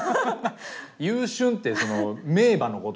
「優駿」ってその名馬のこと